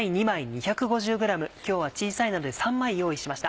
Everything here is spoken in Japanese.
今日は小さいので３枚用意しました。